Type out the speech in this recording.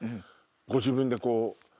ご自分でこう。